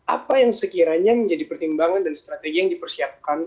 apa yang sekiranya menjadi pertimbangan dan strategi yang dipersiapkan